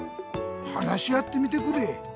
話し合ってみてくれ。